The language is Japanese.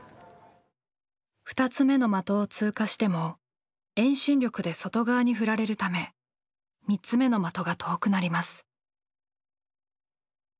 ２つ目の的を通過しても遠心力で外側に振られるため３つ目の的が遠くなります。